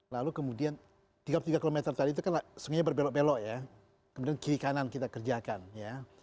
lalu kemudian tiga puluh tiga km tadi itu kan semuanya berbelok belok ya kemudian kiri kanan kita kerjakan ya